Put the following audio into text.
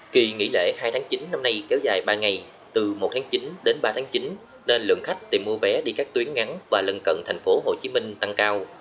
kỳ nghỉ lễ hai tháng chín năm nay kéo dài ba ngày từ một tháng chín đến ba tháng chín nên lượng khách tìm mua vé đi các tuyến ngắn và lần cận tp hcm tăng cao